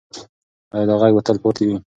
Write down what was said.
ایا دا غږ به تل پاتې وي؟